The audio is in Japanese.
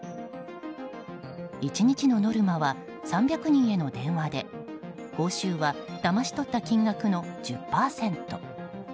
１日のノルマは３００人への電話で報酬はだまし取った金額の１０％。